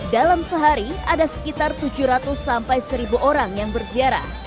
dalam sehari ada sekitar tujuh ratus sampai seribu orang yang berziarah